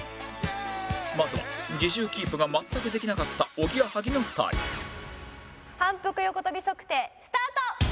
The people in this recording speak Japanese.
まずは自重キープが全くできなかったおぎやはぎの２人反復横跳び測定スタート。